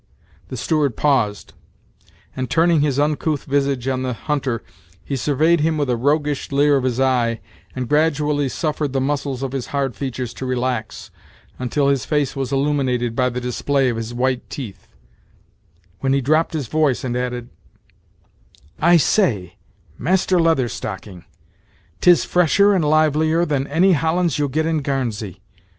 The steward paused, and turning his uncouth visage on the hunter, he surveyed him with a roguish leer of his eye, and gradually suffered the muscles of his hard features to relax, until his face was illuminated by the display of his white teeth, when he dropped his voice, and added; "I say, Master Leather Stocking, 'tis fresher and livelier than any Hollands you'll get in Garnsey.